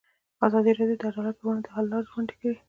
ازادي راډیو د عدالت پر وړاندې د حل لارې وړاندې کړي.